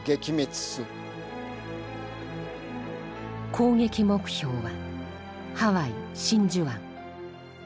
攻撃目標はハワイ・真珠湾。